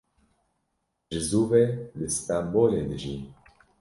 Ji zû ve li Stembolê dijî.